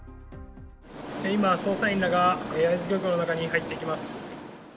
今、捜査員らが焼津漁協の中に入ってきます。